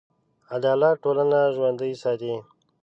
عدالت ټولنه ژوندي ساتي.